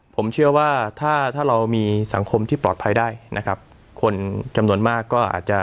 ผมเชื่อว่าถ้าถ้าเรามีสังคมที่ปลอดภัยได้นะครับคนจำนวนมากก็อาจจะ